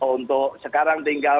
untuk sekarang tinggal